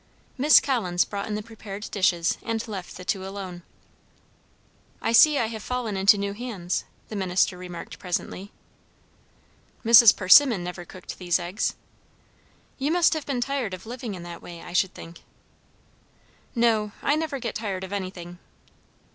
Miss Collins brought in the prepared dishes, and left the two alone. "I see I have fallen into new hands," the minister remarked presently. "Mrs. Persimmon never cooked these eggs." "You must have been tired of living in that way, I should think." "No, I never get tired of anything."